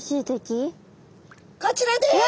こちらです。